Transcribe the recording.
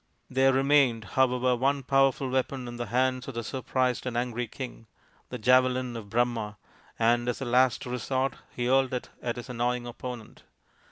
There remained, however, one powerful weapon in the hand of the surprised and angry king the javelin of Brahma and as a last resort he hurled it at his annoying opponent.